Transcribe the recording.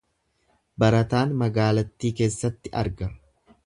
Barataan magaalattii keessatti arga.